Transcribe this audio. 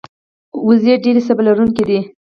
وزې ډېرې صبر لرونکې دي